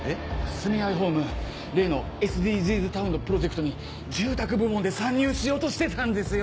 住愛ホーム例のＳＤＧｓタウンのプロジェクトに住宅部門で参入しようとしてたんですよ。